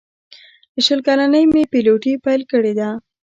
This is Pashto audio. له شل کلنۍ مې پیلوټي پیل کړې ده.